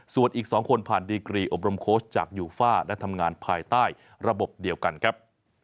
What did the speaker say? ส่วนอีก๒คนผ่านดีกรีอบรมโค้ชจากยูฟ่าและทำงานภายใต้ระบบเดียวกันครับ